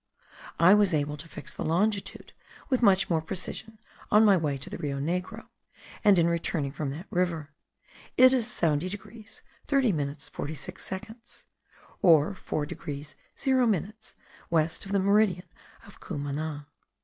I was able to fix the longitude with much more precision in my way to the Rio Negro, and in returning from that river. It is 70 degrees 30 minutes 46 seconds (or 4 degrees 0 minutes west of the meridian of Cumana).